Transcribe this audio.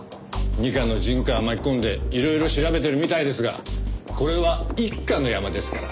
二課の陣川巻き込んでいろいろ調べてるみたいですがこれは一課のヤマですから。